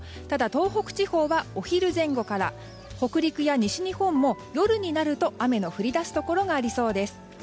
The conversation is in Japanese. ただ、東北地方はお昼前後から北陸や西日本も夜になると雨の降りだすところがありそうです。